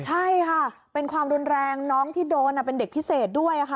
ใช่ค่ะเป็นความรุนแรงน้องที่โดนเป็นเด็กพิเศษด้วยค่ะ